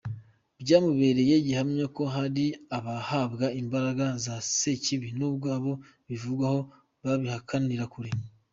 Byamubereye gihamya ko hari abahabwa imbaraga za sekibi nubwo abo bivugwaho babihakanira kure.